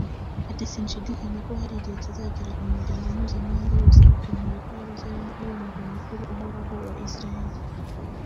Ati “Sinshidikanya ko igihe kizagera Umuryango Mpuzamahanga wose ukemera ko Yeruzalemu ari Umurwa Mukuru uhoraho wa Isiraheli